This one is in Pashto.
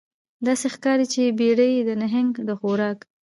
داسې ښکاري چې بیړۍ د نهنګ د خوراک